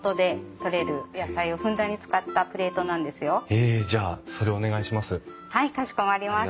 へえじゃあそれお願いします。